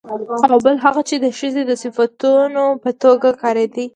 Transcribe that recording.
او بل هغه چې د ښځې د صفتونو په توګه کارېدلي